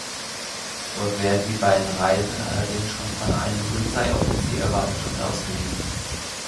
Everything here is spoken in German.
Dort werden die beiden Reisenden allerdings schon von einem Polizeioffizier erwartet und ausgewiesen.